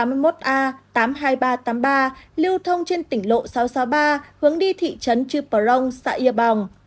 lưu thông trên tỉnh lộ sáu trăm sáu mươi ba hướng đi thị trấn chuprong xã yêu bòng